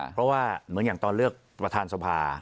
เพราะว่าเหมือนอย่างตอนเลือกประธานสภา